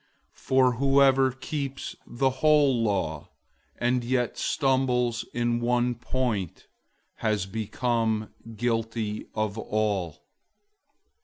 002:010 For whoever keeps the whole law, and yet stumbles in one point, he has become guilty of all.